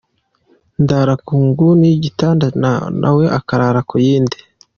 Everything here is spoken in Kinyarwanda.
Ndara ku nguni y’igitanda na we akarara ku yindi.